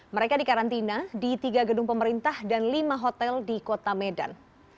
mereka dikarantina di tiga gedung pemerintah dan lima hotel di kota medan